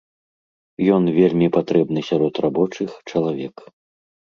Ён вельмі патрэбны сярод рабочых чалавек.